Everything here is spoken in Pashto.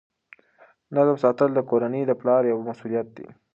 نظم ساتل د کورنۍ د پلار یوه مسؤلیت ده.